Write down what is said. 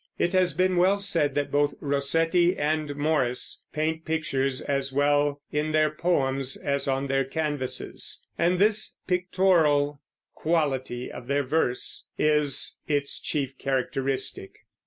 It has been well said that both Rossetti and Morris paint pictures as well in their poems as on their canvases, and this pictorial quality of their verse is its chief characteristic.